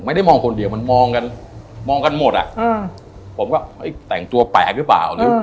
ไม่ได้มองคนเดียวมันมองกันมองกันหมดอ่ะผมก็แต่งตัวแปลกหรือเปล่า